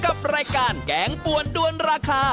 กับรายการแกงปวนด้วนราคา